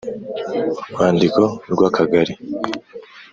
Urwandiko rw Akagari